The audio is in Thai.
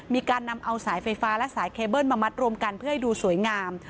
มีการนำเอาสายไฟฟ้าและสายเคเบิ้ลมามัดรวมกันเพื่อให้ดูสวยงาม